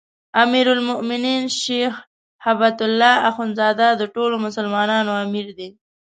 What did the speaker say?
امیرالمؤمنین شيخ هبة الله اخوندزاده د ټولو مسلمانانو امیر دی